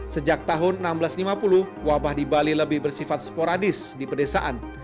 sejak tahun seribu enam ratus lima puluh wabah di bali lebih bersifat sporadis di pedesaan